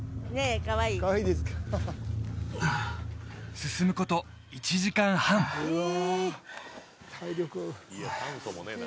進むこと１時間半うわ